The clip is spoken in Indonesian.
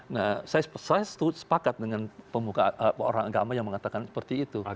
nah saya sepakat dengan orang agama yang mengatakan seperti itu